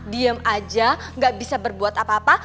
diem aja gak bisa berbuat apa apa